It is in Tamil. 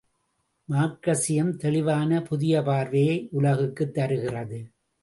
மார்க்சியம் தெளிவான புதிய பார்வையை உலகுக்குத் தருகிறது.